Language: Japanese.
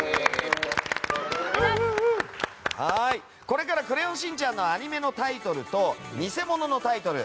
これから「クレヨンしんちゃん」のアニメのタイトルと偽物のタイトル